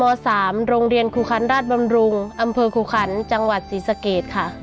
อยู่ชั้นม๓โรงเรียนครูขันฯราชบำรุงอำเภอครูขันฯจังหวัดศรีสเกษค่ะ